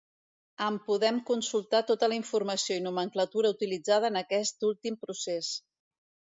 En podem consultar tota la informació i nomenclatura utilitzada en aquest últim procés.